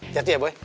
siap ya boy